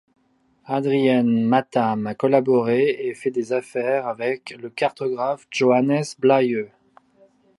Adriaen Matham a collaboré et fait des affaires avec le cartographe Johannes Blaeu.